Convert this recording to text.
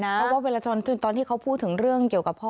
เพราะว่าเวลาตอนที่เขาพูดถึงเรื่องเกี่ยวกับพ่อ